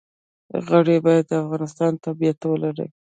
غړي باید د افغانستان تابعیت ولري.